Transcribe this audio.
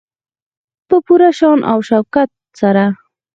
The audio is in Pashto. په پوره شان او شوکت سره.